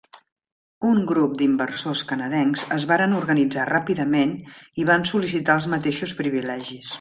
Un grup d'inversors canadencs es varen organitzar ràpidament i van sol·licitar els mateixos privilegis.